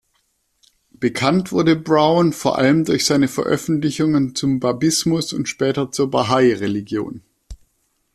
Bekannt wurde Browne vor allem durch seine Veröffentlichungen zum Babismus und später zur Bahai-Religion.